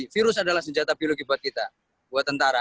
virus adalah senjata biologi buat kita buat tentara